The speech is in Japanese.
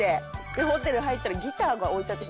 でホテル入ったらギターが置いてあって。